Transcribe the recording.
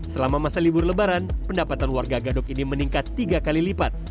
selama masa libur lebaran pendapatan warga gadok ini meningkat tiga kali lipat